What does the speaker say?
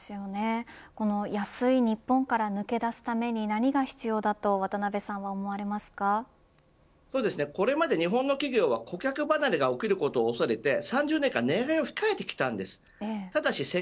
安い日本から抜け出すために何が必要だとこれまで日本の企業は顧客離れが起きることを恐れて３０年間、値上げを控えてきました。